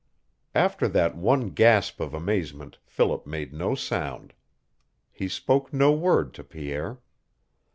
After that one gasp of amazement Philip made no sound. He spoke no word to Pierre.